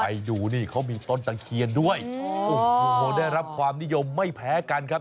ไปดูนี่เขามีต้นตะเคียนด้วยโอ้โหได้รับความนิยมไม่แพ้กันครับ